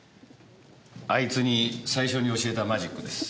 あいつに最初に教えたマジックです。